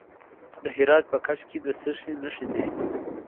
د هرات په کشک کې د څه شي نښې دي؟